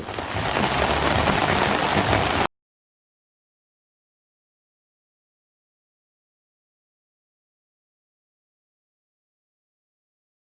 bersama dengan badan nasional penanggulangan bencana bnpb